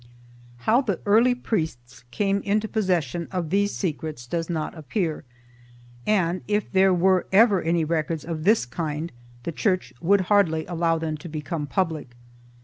How the early priests came into possession of these secrets does not appear, and if there were ever any records of this kind the Church would hardly allow them to become public.